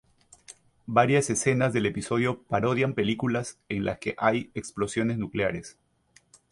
Varias escenas del episodio parodian películas en las que hay explosiones nucleares.